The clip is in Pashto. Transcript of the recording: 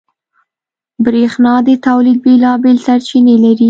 برېښنا د تولید بېلابېل سرچینې لري.